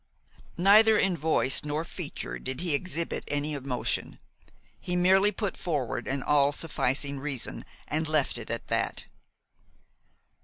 Neither in voice nor feature did he exhibit any emotion. He merely put forward an all sufficing reason, and left it at that.